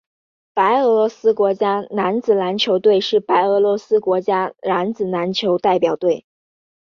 白俄罗斯国家男子篮球队是白俄罗斯的国家男子篮球代表队。